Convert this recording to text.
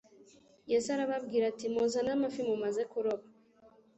"Yesu arababwira ati: muzane amafi mumaze kuroba."